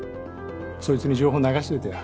そいつに情報流しといたよ。